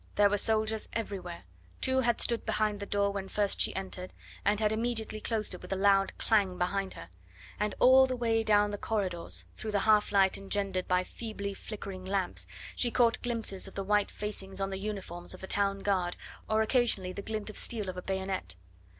There were soldiers everywhere; two had stood behind the door when first she entered, and had immediately closed it with a loud clang behind her; and all the way down the corridors, through the half light engendered by feebly flickering lamps, she caught glimpses of the white facings on the uniforms of the town guard, or occasionally the glint of steel of a bayonet.